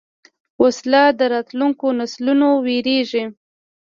وسله د راتلونکو نسلونو وېرېږي